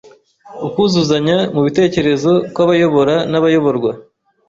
ukuzuzanya mu bitekerezo kw’abayobora n’abayoborwa